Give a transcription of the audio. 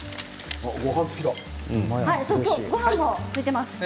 今日はごはんもついています。